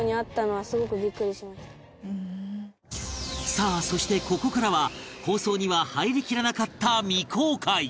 さあそしてここからは放送には入りきらなかった未公開！